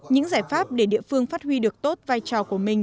những giải pháp để địa phương phát huy được tốt vai trò của mình